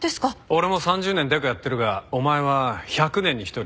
俺も３０年デカやってるがお前は１００年に一人いや